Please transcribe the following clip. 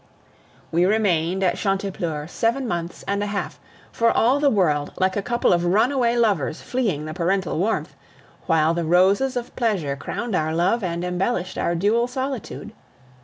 We remained at Chantepleurs seven months and a half, for all the world like a couple of runaway lovers fleeing the parental warmth, while the roses of pleasure crowned our love and embellished our dual solitude.